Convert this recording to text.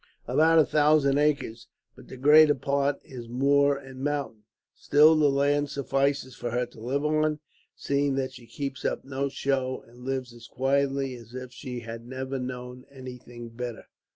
"About a thousand acres, but the greater part is moor and mountain. Still, the land suffices for her to live on, seeing that she keeps up no show, and lives as quietly as if she had never known anything better."